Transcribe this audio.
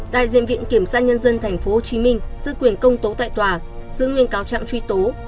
đại diện viện kiểm sát nhân dân tp hcm giữ quyền công tố tại tòa giữ nguyên cáo trạng truy tố